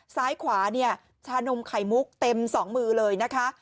ซ้ายขวาเนี่ยชานมไข่มุกเต็มสองมือเลยนะคะ